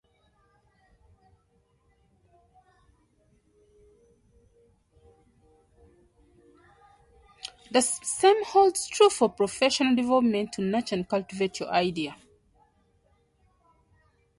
The same holds true for professional development to nurture and cultivate your idea.